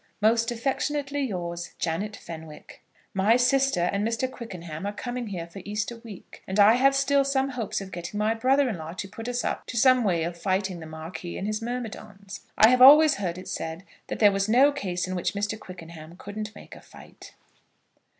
Most affectionately yours, JANET FENWICK. My sister and Mr. Quickenham are coming here for Easter week, and I have still some hopes of getting my brother in law to put us up to some way of fighting the Marquis and his myrmidons. I have always heard it said that there was no case in which Mr. Quickenham couldn't make a fight.